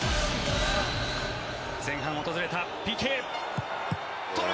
前半訪れたＰＫ。